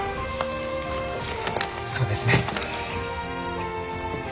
そうですね。